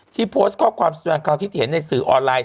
โพสต์ข้อความแสดงความคิดเห็นในสื่อออนไลน์